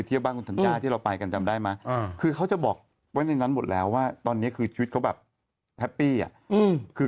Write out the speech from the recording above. เบียงเรียบอย่างงี้เขามีความสุขกับชีวิตแบบนี้แล้ว